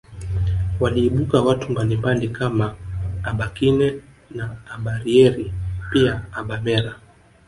Waliibuka watu mbalimbali kama abakine na abarieri pia abamera